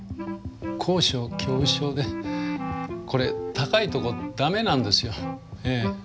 高所恐怖症でこれ高いとこだめなんですよ。